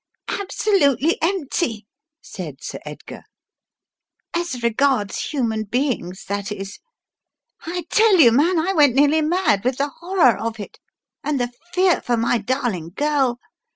"Absolutely empty!" said Sir Edgar; "as regards human beings, that is. I tell you, man, I went nearly mad with the horror of it, and the fear for my darling girl